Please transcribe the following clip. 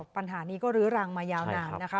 ปัญหานี้ก็รื้อรังมายาวนานนะคะ